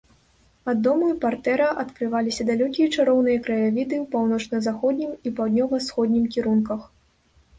Ад дому і партэра адкрываліся далёкія чароўныя краявіды ў паўночна-заходнім і паўднёва-усходнім кірунках.